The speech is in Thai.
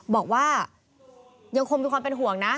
บอกว่ายังคงมีความเป็นห่วงนะ